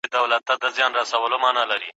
څېړونکی ولي منظم کار ته اړتیا لري؟